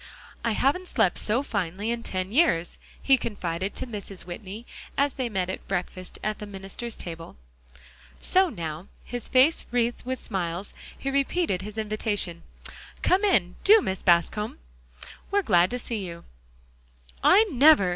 "I haven't slept so finely in ten years," he confided to Mrs. Whitney as they met at breakfast at the minister's table. So now, his face wreathed with smiles, he repeated his invitation. "Come in, do, Mrs. Bascom; we're glad to see you." "I never!"